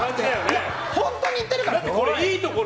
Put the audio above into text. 本当に行ってるから！